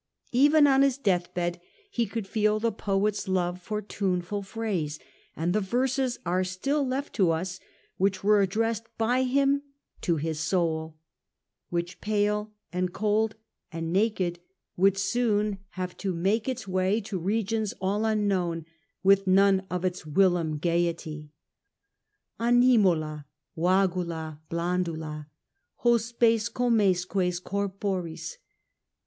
Even on his deathbed he could feel the poet's love for tuneful phrase, and the verses are still left to us which were addressed by him to his soul, which, pale and cold and naked, would soon have to make A.D. 70 The Age of the A ntonines. its way to regions all unknown, with none of its whilom gaiety :— Animula, vagula, blandula, Hospes comesque corpoiis.